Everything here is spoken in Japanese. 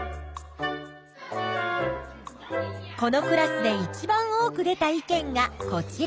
このクラスでいちばん多く出た意見がこちら。